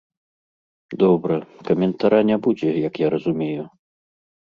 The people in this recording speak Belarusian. Добра, каментара не будзе, як я разумею?